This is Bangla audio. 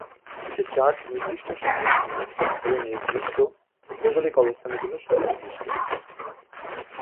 কিছু চার্ট নির্দিষ্ট সঙ্গীত ধারা এবং নির্দিষ্ট ভৌগোলিক অবস্থানের জন্য সুনির্দিষ্ট।